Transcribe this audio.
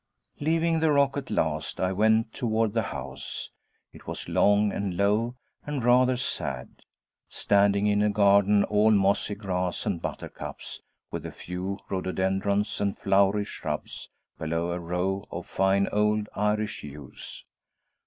Leaving the rock at last, I went toward the house. It was long and low and rather sad, standing in a garden all mossy grass and buttercups, with a few rhododendrons and flowery shrubs, below a row of fine old Irish yews.